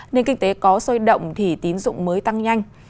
nên kinh tế có sôi động thì tín dụng mới tăng nhanh